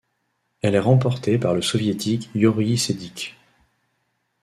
Elle est remportée par le Soviétique Yuriy Sedykh.